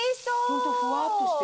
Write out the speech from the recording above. ホントふわっとしてる。